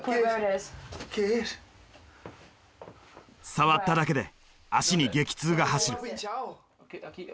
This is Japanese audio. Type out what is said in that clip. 触っただけで足に激痛が走る。